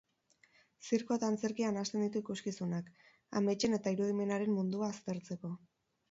Zirkoa eta antzerkia nahasten ditu ikuskizunak, ametsen eta irudimenaren mundua aztertzeko.